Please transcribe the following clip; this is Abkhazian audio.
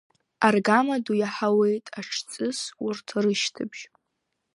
Аргамаду иаҳауеит аҽҵыс урҭ рышьҭыбжь…